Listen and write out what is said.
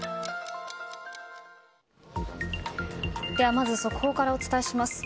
まず速報からお伝えします。